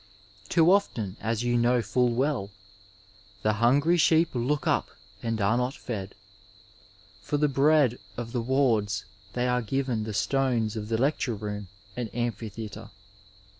Too often, as you know full well, " the hxmgry sheep look up and are not fed ;^' for the bread of the wards they are giv^i the stones of the lecture room and amphitheatre.